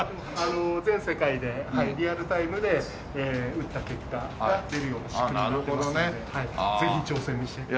全世界でリアルタイムで打った結果が出るような仕組みになってますのでぜひ挑戦して頂いて。